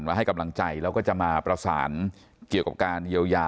ให้กำลังใจแล้วก็จะมาประสานเกี่ยวกับการเยียวยา